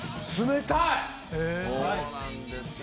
そうなんですよ。